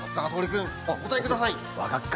君お答えください。